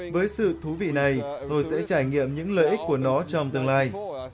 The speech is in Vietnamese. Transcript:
với sự thú vị này tôi sẽ trải nghiệm những lợi ích của nó trong tương lai